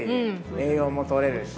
栄養もとれるし。